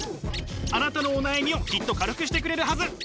あなたのお悩みをきっと軽くしてくれるはず。